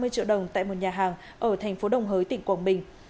ba mươi triệu đồng tại một nhà hàng ở tp đồng hới tỉnh quảng bình